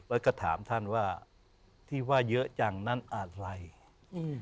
แล้วก็ถามท่านว่าที่ว่าเยอะจังนั้นอะไรอืม